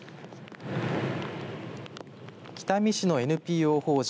北見市のＮＰＯ法人